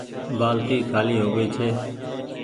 بآلٽي خآلي هوگئي ڇي